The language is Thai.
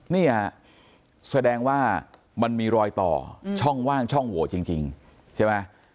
เนี่ยแสดงว่ามันมีรอยต่อช่องว่างช่องโหวตจริงใช่ไหม